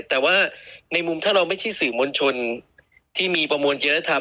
แต่ว่าในมุมถ้าเราไม่ใช่สื่อมวลชนที่มีประมวลเจรธรรม